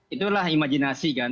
itulah imajinasi kan